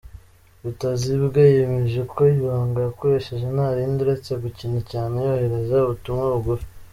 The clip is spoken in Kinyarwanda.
Rutazibwa yemeje ko ibanga yakoresheje nta rindi uretse gukina cyane yohereza ubutumwa bugufi .